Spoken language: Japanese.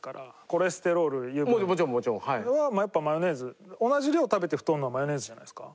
コレステロール油分はやっぱマヨネーズ同じ量食べて太るのはマヨネーズじゃないですか。